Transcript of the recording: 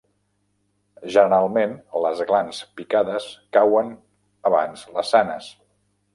Generalment, les glans picades cauen abans les sanes.